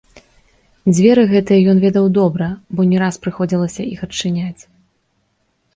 Дзверы гэтыя ён ведаў добра, бо не раз прыходзілася іх адчыняць.